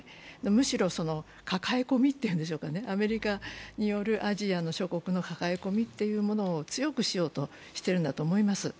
むしろ抱え込みというんでしょうかアメリカによるアジア諸国の抱え込みというものを強くしようとしているのだと思います。